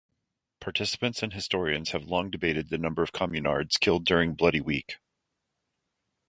Participants and historians have long debated the number of Communards killed during Bloody Week.